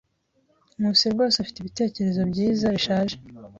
Nkusi rwose afite ibitekerezo byiza-bishaje.